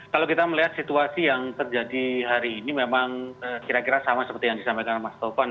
kalau kita melihat situasi yang terjadi hari ini memang kira kira sama seperti yang disampaikan mas taufan